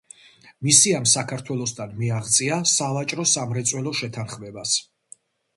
მისიამ საქართველოსთან მიაღწია სავაჭრო-სამრეწველო შეთანხმებას.